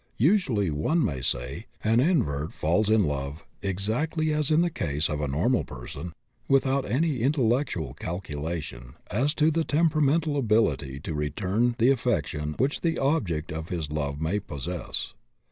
Usually, one may say, an invert falls in love (exactly as in the case of a normal person) without any intellectual calculation as to the temperamental ability to return the affection which the object of his love may possess.